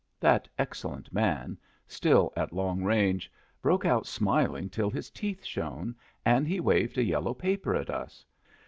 That excellent man, still at long range, broke out smiling till his teeth shone, and he waved a yellow paper at us.